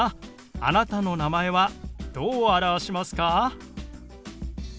あなたの名前はどう表しますか？